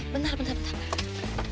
bentar bentar bentar